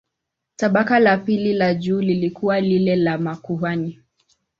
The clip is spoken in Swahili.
Tabaka la pili la juu lilikuwa lile la makuhani.